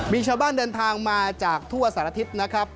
มีชาวบ้านเดินทางมาจากทั่วสารทิศนะครับ